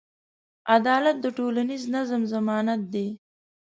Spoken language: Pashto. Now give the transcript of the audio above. عدالت د ټولنیز نظم ضمانت دی.